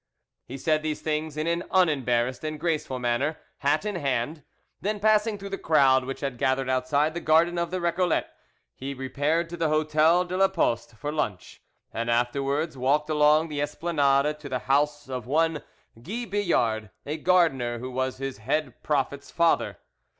He said these things in an unembarrassed and graceful manner, hat in hand; then passing through the crowd which had gathered outside the garden of the Recollets, he repaired to the Hotel de la Poste for lunch, and afterwards walked along the Esplanade to the house of one Guy Billard, a gardener, who was his head prophet's father.